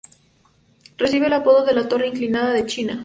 Recibe el apodo de 'La torre inclinada de China'.